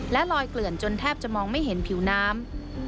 และลอยเกลื่อนจนแทบจะมองไม่เห็นผิวน้ำ